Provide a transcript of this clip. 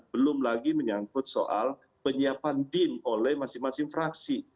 belum lagi menyangkut soal penyiapan dim oleh masing masing fraksi